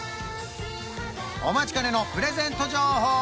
お待ちかねのプレゼント情報